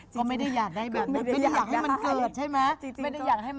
ก็ไม่ได้อยากให้มันเกิดใช่ไหม